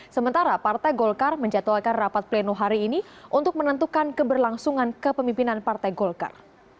sementara partai golkar menjatuhkan rapat pleno hari ini untuk menentukan keberlangsungan kepemimpinan partai golkar